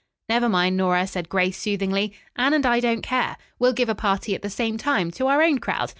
"Never mind, Nora," said Grace soothingly. "Anne and I don't care. We'll give a party at the same time, to our own crowd.